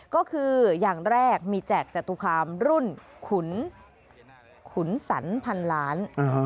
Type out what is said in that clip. ก็คืออย่างแรกมีแจกจตุคามรุ่นขุนสรรพันล้าน